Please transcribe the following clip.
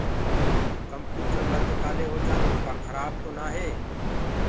ڪمپيوٽر بند ڪآلي هوندوئي ڪآ خرآب تو نآ هي